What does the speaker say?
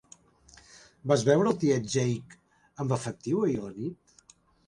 Vas veure el tiet Jake amb efectiu ahir a la nit?